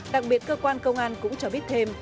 đặc biệt cơ quan công an cũng cho biết thêm